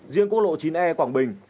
riêng quốc lộ chín e quảng bình